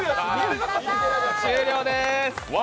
終了です。